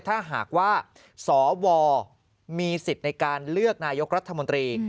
ถ้าหากว่าสวมีสิทธิ์ในการเลือกนายกรัฐมนตรี